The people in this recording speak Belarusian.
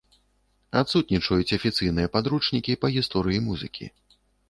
Адсутнічаюць афіцыйныя падручнікі па гісторыі музыкі.